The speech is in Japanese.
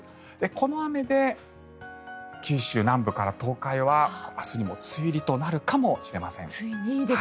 この雨で九州南部から東海は明日にも梅雨入りとなるかもしれません。